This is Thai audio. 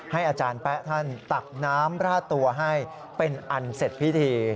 อาจารย์แป๊ะท่านตักน้ำราดตัวให้เป็นอันเสร็จพิธี